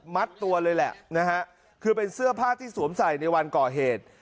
ตัวเลยแหละนะฮะคือเป็นเสื้อผ้าที่สวมใส่ในวันก่อเหตุ